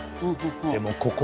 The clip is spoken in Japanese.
でもここで。